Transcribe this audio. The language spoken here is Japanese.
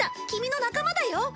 キミの仲間だよ